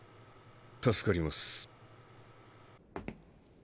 助かります。